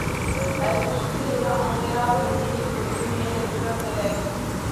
Elles sont utilisées en thérapeutique pour diminuer les douleurs des règles.